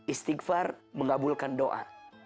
istighfar mengabulkan doa